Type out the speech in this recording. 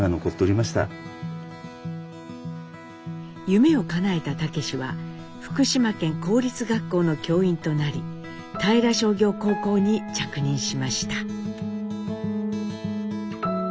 夢をかなえた武は福島県公立学校の教員となり平商業高校に着任しました。